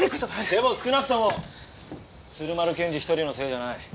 でも少なくとも鶴丸検事一人のせいじゃない。